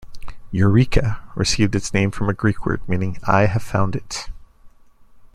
"Eureka" received its name from a Greek word meaning "I have found it!